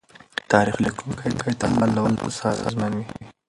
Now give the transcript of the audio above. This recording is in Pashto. تاریخ لیکونکی تل د حال له وخت څخه اغېزمن وي.